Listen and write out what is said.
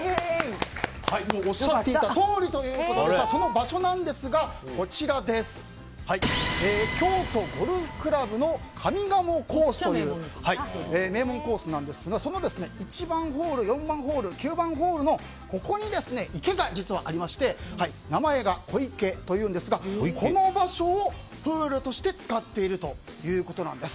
おっしゃっていたとおりということでその場所なんですが京都ゴルフ倶楽部の上賀茂コースという名門コースなんですがその１番、４番、９番ホールのここに池が実はありまして名前が小池というんですがこの場所をプールとして使っているということなんです。